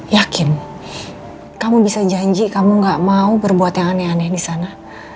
yakin kamu bisa janji kamu gak mau berbuat yang aneh aneh di sana